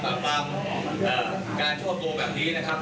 นะครับแล้วก็ตามการช่วงโตแบบนี้นะครับ